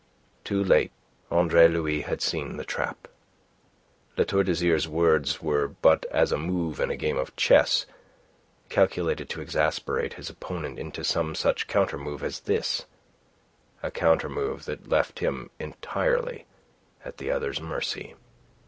Too late Andre Louis had seen the trap. La Tour d'Azyr's words were but as a move in a game of chess, calculated to exasperate his opponent into some such counter move as this a counter move that left him entirely at the other's mercy.